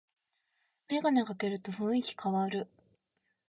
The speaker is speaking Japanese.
メガネかけると雰囲気かわる